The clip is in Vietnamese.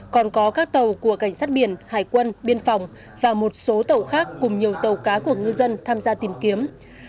còn có các tàu của cảnh sát biển hải quân biên phòng và một số tàu khác cùng nhiều tàu cá của ngư dân tham gia tìm kiếm